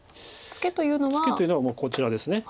ツケというのはこちらです。